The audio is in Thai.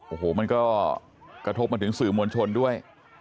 โอ้โหมันก็กระทบมาถึงสื่อมวลชนด้วย